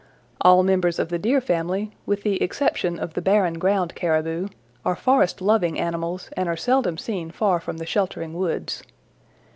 All members of the Deer family, with the exception of the Barren Ground Caribou, are forest loving animals and are seldom seen far from the sheltering woods.